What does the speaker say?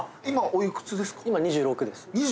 今おいくつですか？